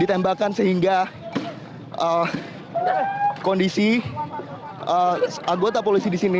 ditembakkan sehingga kondisi anggota polisi di sini